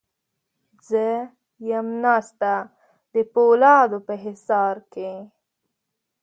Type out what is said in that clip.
زه یم ناسته د پولادو په حصار کې